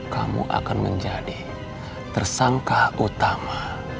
kamu akan menjadi tersangka utama